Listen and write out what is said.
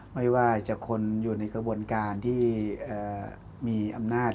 ไม่ว่าจะคนอยู่ในกระบวนการที่มีอำนาจ